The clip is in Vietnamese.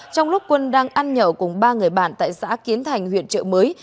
trong lúc quân đang ăn nhậu cùng ba người bạn tại xã kiến thành huyện trợ mới